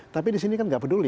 tapi di sini kan nggak peduli